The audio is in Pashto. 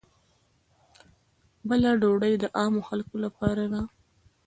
بله ډوډۍ د عامو خلکو لپاره وه.